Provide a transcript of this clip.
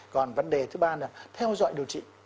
còn vấn đề thứ ba là theo dõi điều trị